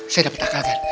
saya dapet akal kan